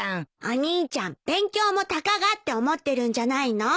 お兄ちゃん勉強もたかがって思ってるんじゃないの？